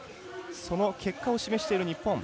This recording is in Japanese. その結果を示している日本。